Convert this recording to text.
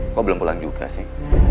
kok belum pulang juga sih